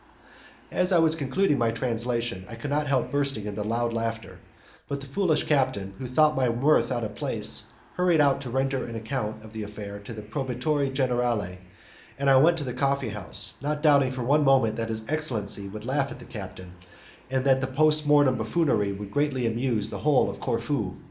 As I was concluding my translation I could not help bursting into loud laughter; but the foolish captain, who thought my mirth out of place, hurried out to render an account of the affair to the proveditore generale, and I went to the coffee house, not doubting for one moment that his excellency would laugh at the captain, and that the post mortem buffoonery would greatly amuse the whole of Corfu.